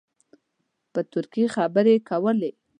په ترکي خبرې کولې.